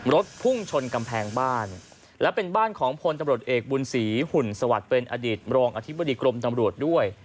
รถพุ่งชนกำแพงบ้านและเป็นบ้านของพลตำรวจเอกบุญศรีหุ่นสวัสดิ์เป็นอดีตรองอธิบดีกรมตำรวจด้วย